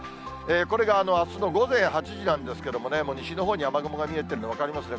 これがあすの午前８時なんですけれどもね、西のほうに雨雲が見えてるのが分かりますね。